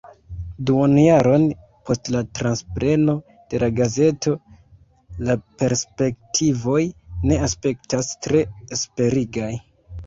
Duonjaron post la transpreno de la gazeto la perspektivoj ne aspektas tre esperigaj.